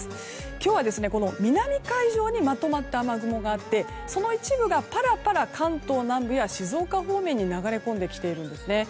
今日は南海上にまとまった雨雲があってその一部がパラパラ関東南部や静岡方面に流れ込んできているんですね。